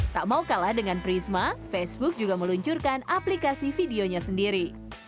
tak mau kalah dengan prisma facebook juga meluncurkan aplikasi videonya sendiri